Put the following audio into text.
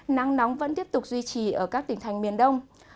nắng nóng vẫn tiếp tục duy trì ở các tỉnh thành miền đông